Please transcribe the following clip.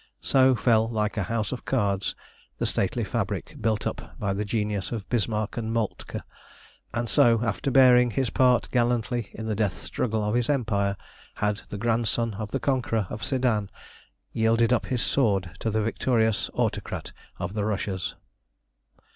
So fell like a house of cards the stately fabric built up by the genius of Bismarck and Moltke; and so, after bearing his part gallantly in the death struggle of his empire, had the grandson of the conqueror of Sedan yielded up his sword to the victorious Autocrat of the Russias.